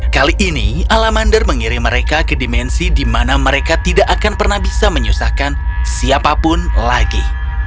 kali ini alamander mengirim mereka ke dimensi di mana mereka tidak akan pernah bisa menyusahkan siapapun lagi